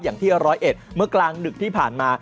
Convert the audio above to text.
อย่างที่ร้อยเอ็ดเมื่อกลางดึกที่ผ่านมา